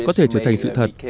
có thể trở thành sự thật